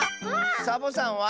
サボさんは？